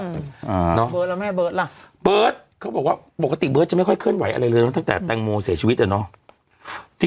น้องเบิร์ตแล้วแม่เบิร์ตล่ะเบิร์ตเขาบอกว่าปกติเบิร์ตจะไม่ค่อยเคลื่อนไหวอะไรเลยเนอะตั้งแต่แตงโมเสียชีวิตอ่ะเนอะ